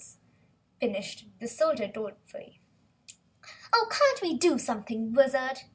finished the Soldier, dolefully. "Oh, can't we do something Wizard?"